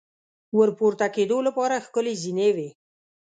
ور پورته کېدو لپاره ښکلې زینې وې.